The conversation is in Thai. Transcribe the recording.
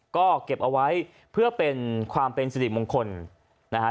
ก็เก็บเอาไว้เพื่อเป็นความเป็นสิริมงคลนะฮะ